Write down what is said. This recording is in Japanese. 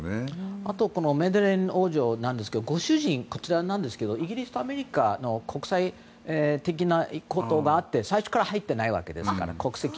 あと、マデレーン王女のご主人は、こちらなんですがイギリスとアメリカの国籍的なところがあって最初から入っていないんです。